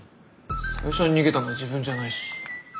最初に逃げたのは自分じゃないし。